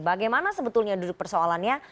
bagaimana sebetulnya duduk persoalannya